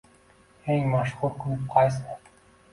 Eng mashhur klub qaysi?